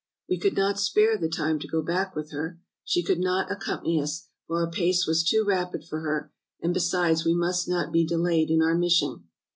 We could not spare the time to go back with her. She could not accompany us, for our pace was too rapid for her and besides we must not be de layed in our mission.